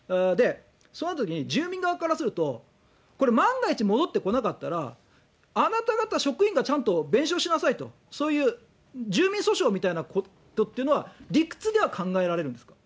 そのときに住民側からすると、これ万が一戻ってこなかったら、あなた方職員がちゃんと弁償しなさいと、そういう住民訴訟みたいなことっていうのは、理屈では考えられるんですか。